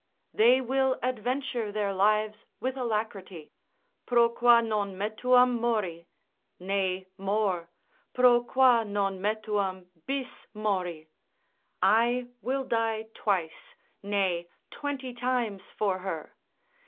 They will adventure their lives with alacrity —pro qua non metuam mori—nay more, pro qua non metuam bis mori, I will die twice, nay, twenty times for her.